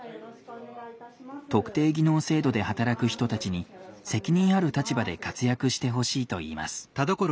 特定技能制度で働く人たちに責任ある立場で活躍してほしいといいます。